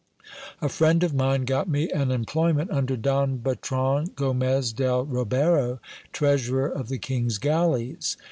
A friend of mine got me an employment under Don Bertrand Gomez del Ribero, treasurer of the king's galleys.